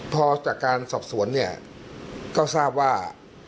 พอจากการสอบสวนก็ทราบว่า